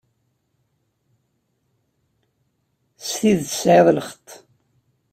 S tidet tesɛiḍ lxeṭṭ.